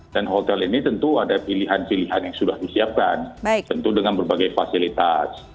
dan hotel ini tentu ada pilihan pilihan yang sudah disiapkan tentu dengan berbagai fasilitas